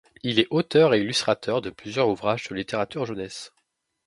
Il est l'auteur et illustrateur de plusieurs ouvrages de littérature jeunesse.